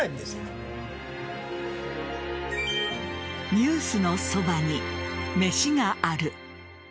「ニュースのそばに、めしがある。」